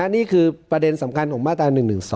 นี่คือประเด็นสำคัญของมาตรา๑๑๒